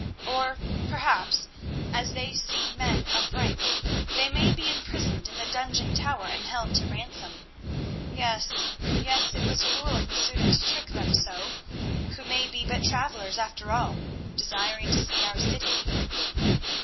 Or, perhaps, as they seem men of rank, they may be imprisoned in the dungeon tower and held to ransom. Yes, yes; it was cruel of Masouda to trick them so, who may be but travellers after all, desiring to see our city."